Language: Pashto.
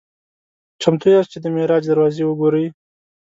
"چمتو یاست چې د معراج دروازه وګورئ؟"